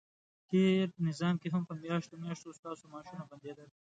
تېر نظام کې هم په میاشتو میاشتو ستاسو معاشونه بندیدل،